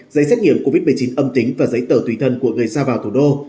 giấy xét nghiệm covid một mươi chín âm tính và giấy tờ tùy thân của người ra vào thủ đô